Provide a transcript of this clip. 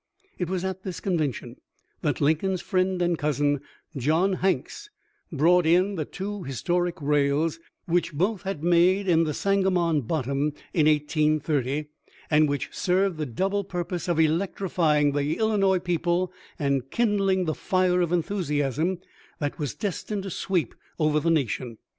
It was at this convention that Lin coln's friend and cousin, John Hanks, brought in the two historic rails which both had made in the Sanga mon bottom in 1830, and which served the double pur pose of electrifying the Illinois people and kindling the fire of enthusiasm that was destined to sweep over the nation.